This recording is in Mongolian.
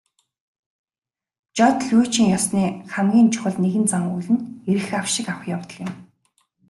Жод лүйжин ёсны хамгийн чухал нэгэн зан үйл нь эрх авшиг авах явдал юм.